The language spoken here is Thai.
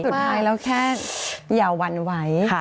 สุดท้ายเราแค่อย่าวันไหว